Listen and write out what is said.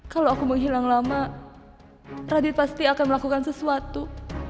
kalau aku menghilang lama radit pasti akan melakukan sesuatu